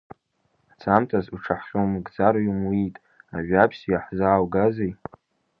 Ҳцамҭаз уҽаҳхьумыгӡар умуит, ажәабжьс иаҳзааугазеи?